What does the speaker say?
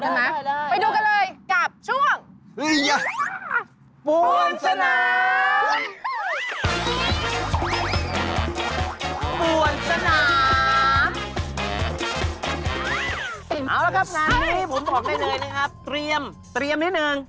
เปรียบแล้วครับผม